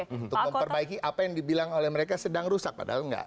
untuk memperbaiki apa yang dibilang oleh mereka sedang rusak padahal enggak